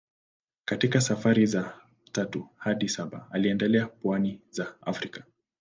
Katika safari za tatu hadi saba aliendelea hadi pwani za Afrika.